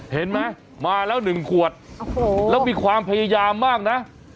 เห็นมั้ยมาแล้ว๑ขวดแล้วมีความพยายามมากนะ